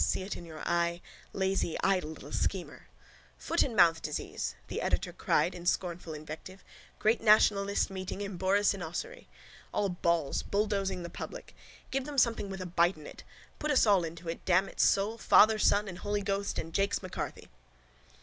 See it in your eye. Lazy idle little schemer. —Foot and mouth disease! the editor cried in scornful invective. Great nationalist meeting in Borris in Ossory. All balls! Bulldosing the public! Give them something with a bite in it. Put us all into it, damn its soul. Father, Son and Holy Ghost and Jakes M'Carthy.